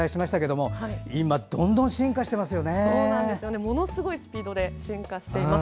ものすごいスピードで進化しています。